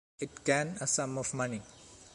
It can a sum of money